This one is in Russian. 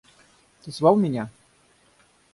Ты звал меня?